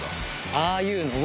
ああいうのを。